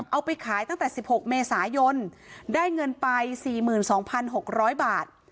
เอาไปขายตั้งแต่๑๖เมษายนได้เงินไป๔๒๖๐๐บาท